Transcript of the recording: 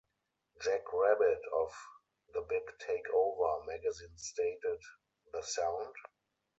Jack Rabid of "The Big Takeover" magazine stated: "The Sound?